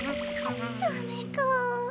ダメか。